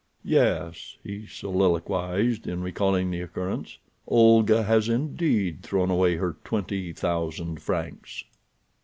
"Yes," he soliloquized, in recalling the occurrence, "Olga has indeed thrown away her twenty thousand francs."